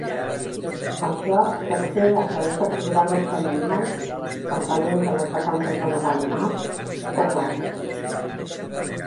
Això es pot fer a través de programes setmanals, campaments en les vacances de Nadal o març, o classes.